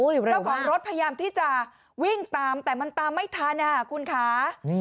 เจ้าของรถพยายามที่จะวิ่งตามแต่มันตามไม่ทันคุณค่ะ